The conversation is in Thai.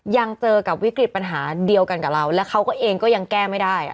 ยังเจอกับวิกฤตปัญหาเดียวกันกับเราแล้วเขาก็เองก็ยังแก้ไม่ได้